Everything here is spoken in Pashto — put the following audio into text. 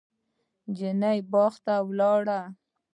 نجلۍ باغ ته ولاړه.